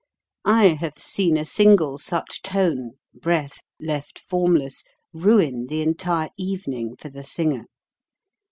I have seen a single such tone left formless ruin the entire even ing for the singer.